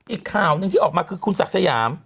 อีกข่าวหนึ่งที่ออกมาคือคุณศักดิ์สยาม